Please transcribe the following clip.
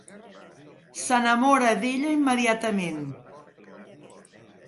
S'enamora d'ella immediatament.